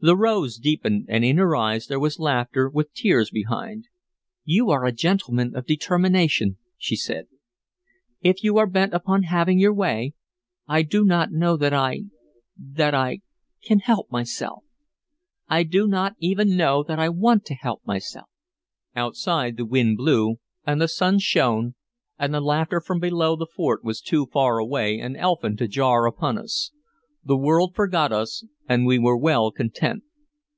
The rose deepened, and in her eyes there was laughter, with tears behind. "You are a gentleman of determination," she said. "If you are bent upon having your way, I do not know that I that I can help myself. I do not even know that I want to help myself." Outside the wind blew and the sun shone, and the laughter from below the fort was too far away and elfin to jar upon us. The world forgot us, and we were well content.